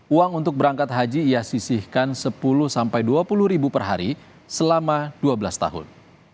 uang untuk berangkat haji ia sisihkan sepuluh sampai dua puluh ribu per hari selama dua belas tahun